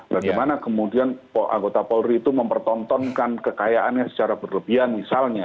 bagaimana kemudian anggota polri itu mempertontonkan kekayaannya secara berlebihan misalnya